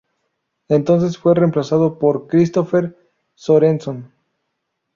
Entonces fue reemplazado por Christopher Sorenson.